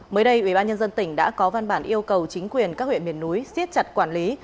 mới đây ubnd tỉnh đã có văn bản yêu cầu chính quyền các huyện miền núi siết chặt quản lý